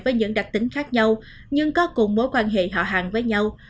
với những đặc tính khác nhau nhưng có cùng mối quan hệ họ hàng với nhau